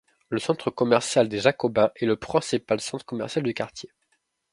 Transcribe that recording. Le centre commercial des Jacobins est le principal centre commercial du quartier.